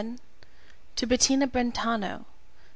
TO BETTINA BRENTANO.